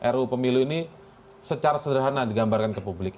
ruu pemilu ini secara sederhana digambarkan ke publik